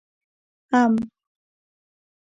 🥭 ام